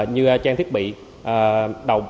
như trang thiết bị đầu